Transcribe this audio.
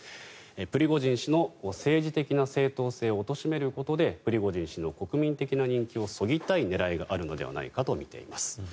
プリゴジン氏の政治的な正当性をおとしめることでプリゴジン氏の国民的な人気をそぎたい狙いがあるのではないかとみています。